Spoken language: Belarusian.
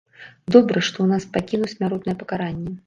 Добра, што ў нас пакіну смяротнае пакаранне.